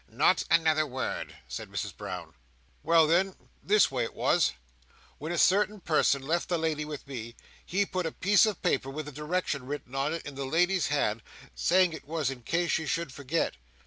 "Not another word," said Mrs Brown. "Well then, the way was this. When a certain person left the lady with me, he put a piece of paper with a direction written on it in the lady's hand, saying it was in case she should forget.